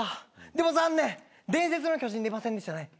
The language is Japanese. でも、残念、伝説の巨人出ませんでしたね。